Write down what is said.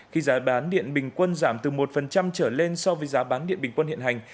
khi giá bán điện bình quân giảm từ một trở lên so với giá bán điện bình quân hiện hành